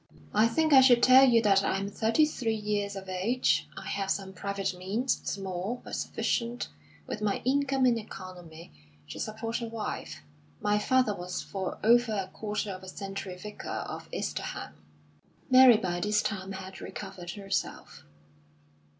"I think I should tell you that I am thirty three years of age. I have some private means, small, but sufficient, with my income and economy, to support a wife. My father was for over a quarter of a century vicar of Easterham." Mary by this time had recovered herself.